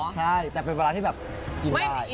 ใช่แต่เป็นเวลาที่แบบกินได้